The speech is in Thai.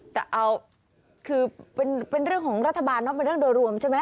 แต่เอาคือเป็นเรื่องของรัฐบาลเนอะเป็นเรื่องโดยรวมใช่ไหม